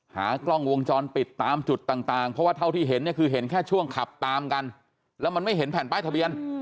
หากล้องวงจรปิดตามจุดต่างเพราะว่าเท่าที่เห็นเนี่ยคือเห็นแค่ช่วงขับตามกันแล้วมันไม่เห็นแผ่นป้ายทะเบียน